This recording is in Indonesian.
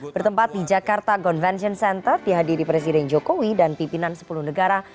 bertempat di jakarta convention center dihadiri presiden jokowi dan pimpinan sepuluh negara